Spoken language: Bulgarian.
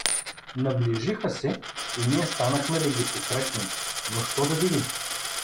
Наближиха се и ние станахме да ги посрещнем, но що да видим?